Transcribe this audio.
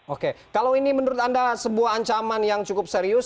oke kalau ini menurut anda sebuah ancaman yang cukup serius